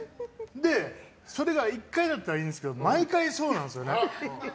それが１回だったらいいんですけど毎回そうなんですよね。